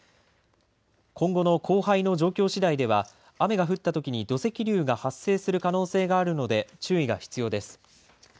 今後の降灰の状況次第では、雨が降ったときに土石流が発生する可能性があるので注意が必要です。